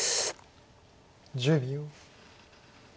１０秒。